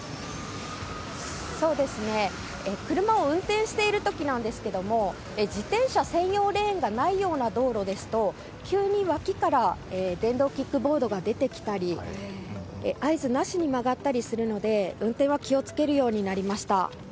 車を運転している時なんですが自転車専用レーンがないような道路ですと急に脇から電動キックボードが出てきたり合図なしに曲がったりするので運転は気を付けるようになりました。